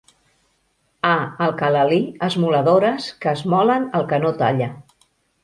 A Alcalalí esmoladores, que esmolen el que no talla...